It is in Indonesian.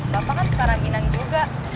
bapak kan suka ranginang juga